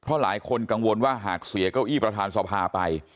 เพราะหลายคนกังวลว่าหากเสียเก้าอี้ประธานสภาไป